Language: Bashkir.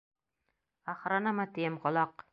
Охранамы, тием, ҡолаҡ!